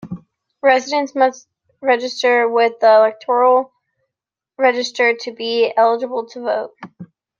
Residents must register with the electoral register to be eligible to vote.